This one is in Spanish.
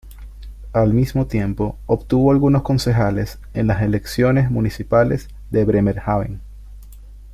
Al mismo tiempo, obtuvo algunos concejales en las elecciones municipales de Bremerhaven.